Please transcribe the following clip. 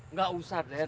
nggak usah den